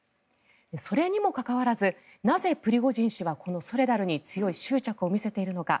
それにもかかわらずなぜプリゴジン氏は、ソレダルに強い執着を見せているのか。